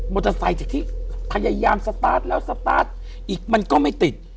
เตอร์ไซค์จากที่พยายามสตาร์ทแล้วสตาร์ทอีกมันก็ไม่ติด